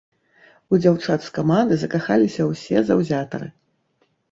У дзяўчат з каманды закахаліся ўсе заўзятары.